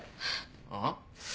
あっ？